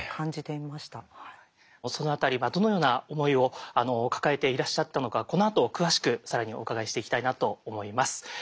その辺りどのような思いを抱えていらっしゃったのかこのあと詳しく更にお伺いしていきたいなと思います。